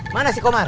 mana si komar